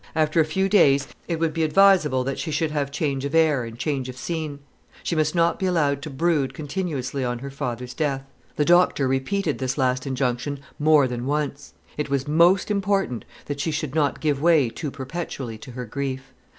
After a few days, it would be advisable that she should have change of air and change of scene. She must not be allowed to brood continuously on her father's death. The doctor repeated this last injunction more than once. It was most important that she should not give way too perpetually to her grief.